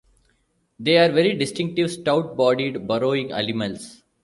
They are very distinctive stout-bodied burrowing animals.